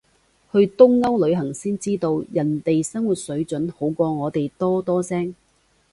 去東歐旅行先知道，人哋生活水準好過我哋多多聲